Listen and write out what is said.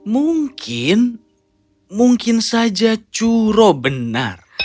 mungkin mungkin saja curo benar